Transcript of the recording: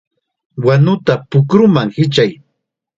¡Wanuta pukruman hichay!